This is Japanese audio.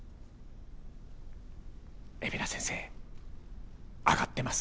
海老名先生挙がってます。